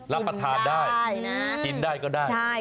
รับประทานได้กินได้ก็ได้